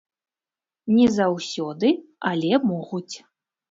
Не заўсёды, але могуць.